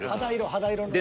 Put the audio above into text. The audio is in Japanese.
肌色のね。